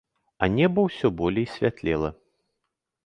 А неба ўсё болей святлела.